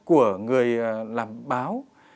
của người làm báo